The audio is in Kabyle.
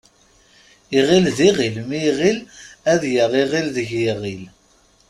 Iɣil d iɣil mi iɣil ad yaɣ iɣil deg yiɣil.